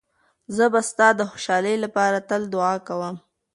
زه به ستا د خوشحالۍ لپاره تل دعا کوم.